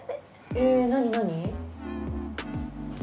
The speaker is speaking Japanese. えぇ何何？